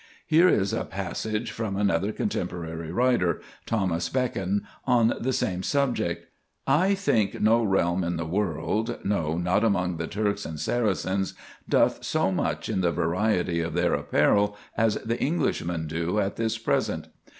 Here is a passage from another contemporary writer, Thomas Becon, on the same subject: "I think no realm in the world, no, not among the Turks and Saracens, doth so much in the variety of their apparel as the Englishmen do at this present.